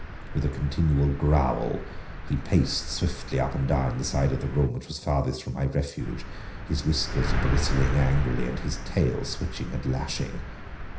With a continual growl he paced swiftly up and down the side of the room which was farthest from my refuge, his whiskers bristling angrily, and his tail switching and lashing.